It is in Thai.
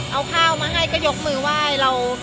เอาข้าวมาให้ก็ยกมือไหว้เรา